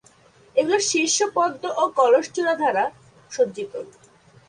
এগুলির শীর্ষ পদ্ম ও কলস চূড়া দ্বারা সজ্জিত।